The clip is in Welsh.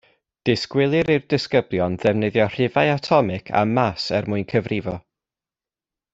Disgwylir i'r disgyblion ddefnyddio rhifau atomig a màs er mwyn cyfrifo